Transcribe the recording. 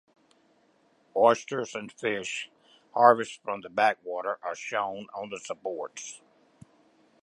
Oysters and fish, harvests from the Blackwater, are shown on the supports.